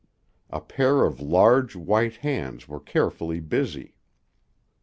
A pair of large, white hands were carefully busy.